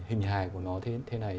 hình hài của nó thế này